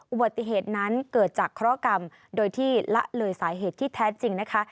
อุบัติเหตุนั้นเกิดจากเคราะหกรรมโดยที่ละเลยสาเหตุที่แท้จริงนะคะ